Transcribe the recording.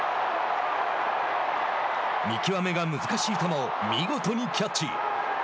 見極めが難しい球を見事にキャッチ。